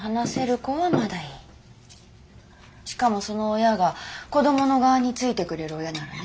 しかもその親が子供の側についてくれる親ならね。